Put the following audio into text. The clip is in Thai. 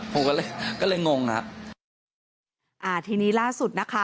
ผมก็เลยก็เลยงงอ่ะอ่าทีนี้ล่าสุดนะคะ